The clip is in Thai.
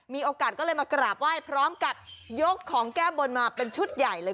มีโอกาสก็เลยมากราบไหว้พร้อมกับยกของแก้บนมาเป็นชุดใหญ่เลย